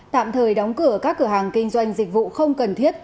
tạm thời đóng cửa các cửa hàng kinh doanh dịch vụ không cần thiết